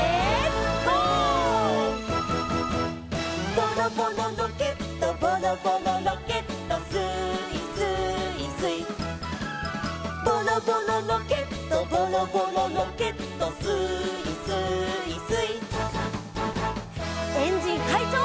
「ボロボロロケットボロボロロケット」「スーイスーイスイ」「ボロボロロケットボロボロロケット」「スーイスーイスイ」「エンジンかいちょう！